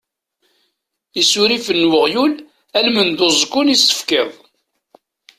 Isurifen n uɣyul almend uẓekkun i s-tefkiḍ.